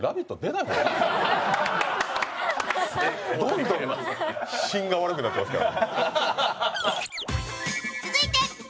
どんどん品が悪くなってますから。